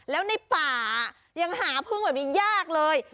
แล้วในป่ายังหาพึ่งแบบนี้ยากเลย